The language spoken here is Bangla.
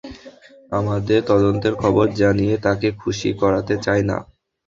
আমাদের তদন্তের খবর জানিয়ে তাকে খুশি করাতে চাই না।